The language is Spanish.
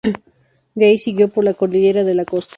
De ahí siguió por la Cordillera de la Costa.